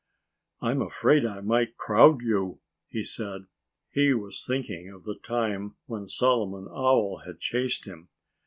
"I'm afraid I might crowd, you," he said. He was thinking of the time when Solomon Owl had chased him.